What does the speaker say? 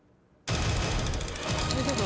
大丈夫？